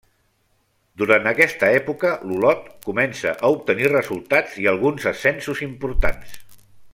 Durant aquesta època l'Olot comença a obtenir resultats i alguns ascensos importants.